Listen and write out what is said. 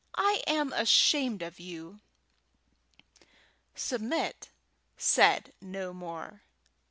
I am ashamed of you!" Submit said no more.